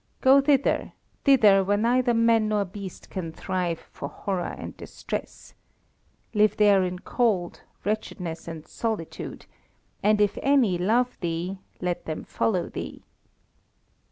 Go thither, thither where neither man nor beast can thrive for horror and distress. Live there in cold, wretchedness, and solitude, and if any love thee let them follow thee."